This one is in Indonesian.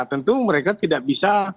tentu mereka tidak bisa